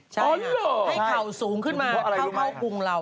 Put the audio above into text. ให้เข่าสูงขึ้นมาเข้ากรุงเรา